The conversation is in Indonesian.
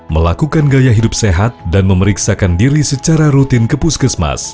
melakukan gaya hidup sehat dan memeriksakan diri secara rutin ke puskesmas